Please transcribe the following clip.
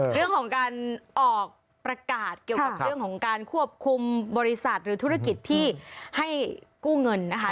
เรื่องของการออกประกาศเกี่ยวกับเรื่องของการควบคุมบริษัทหรือธุรกิจที่ให้กู้เงินนะคะ